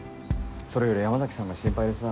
それより山崎さんが心配でさ。